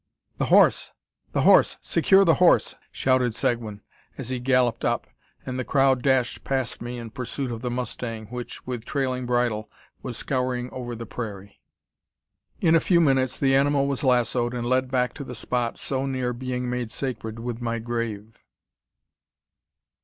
"The horse! the horse! secure the horse!" shouted Seguin, as he galloped up; and the crowd dashed past me in pursuit of the mustang, which, with trailing bridle, was scouring over the prairie. In a few minutes the animal was lassoed, and led back to the spot so near being made sacred with my grave.